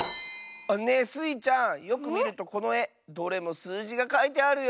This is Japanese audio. ねえスイちゃんよくみるとこのえどれもすうじがかいてあるよ！